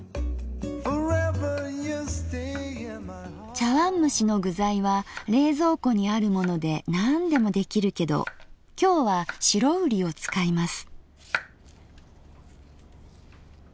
茶わんむしの具材は冷蔵庫にあるものでなんでも出来るけど今日は白瓜を使います。